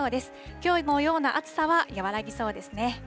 きょうのような暑さは和らぎそうですね。